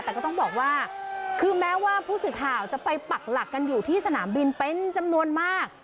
แต่ก็ต้องบอกว่าคือแม้ว่าผู้สื่อข่าวจะไปปักหลักกันอยู่ที่สนามบินเป็นจำนวนมาก